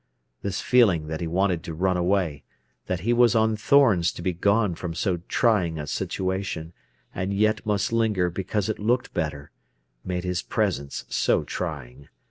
This feeling that he wanted to run away, that he was on thorns to be gone from so trying a situation, and yet must linger because it looked better, made his presence so trying.